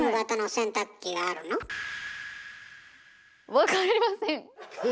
分かりません。え？